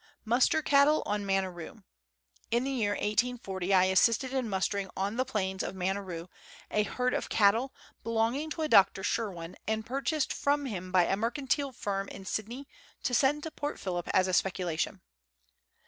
Muster Cattle on Maneroo. In the year 1840 I assisted in mustering on the plains of Maneroo a herd of cattle, belonging to a Dr. Shirwin, and purchased from him by a mercantile firm in Sydney to send to Port Phillip as a speculation.